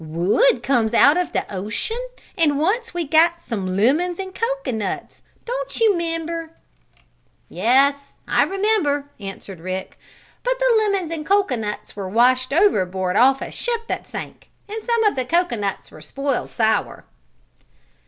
"Wood comes out of the ocean and once we got some lemons and cocoanuts don't you 'member?" "Yes, I remember," answered Rick. "But the lemons and cocoanuts were washed overboard off a ship that sank, and some of the cocoanuts were spoiled sour."